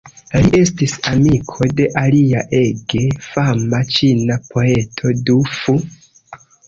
Li estis amiko de alia ege fama ĉina poeto, Du Fu.